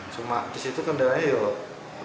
cuma disitu kandangannya yuk